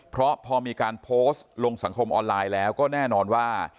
เพราะพอมีการโพสต์ลงสังคมออนไลน์แล้วก็แน่นอนว่า